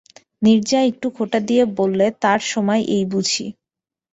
নীরজা একটু খোঁটা দিয়ে বললে, তার সময় এই বুঝি!